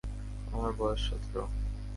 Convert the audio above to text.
আমার বয়স সতেরো।